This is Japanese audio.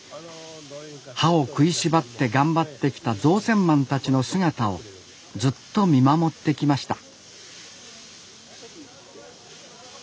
歯を食いしばって頑張ってきた造船マンたちの姿をずっと見守ってきました